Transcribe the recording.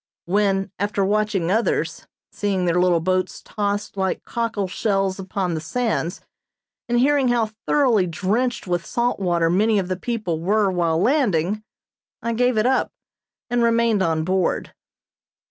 When, after watching others, seeing their little boats tossed like cockle shells upon the sands, and hearing how thoroughly drenched with salt water many of the people were while landing, I gave it up, and remained on board.